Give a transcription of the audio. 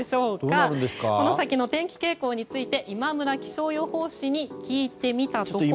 この先の天気傾向について今村気象予報士に聞いてみたところ。